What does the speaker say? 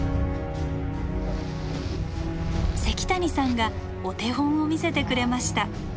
関谷さんがお手本を見せてくれました。